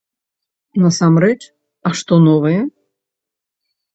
Насамрэч, а што новае?